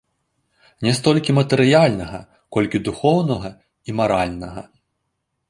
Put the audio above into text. Не столькі матэрыяльнага, колькі духоўнага і маральнага.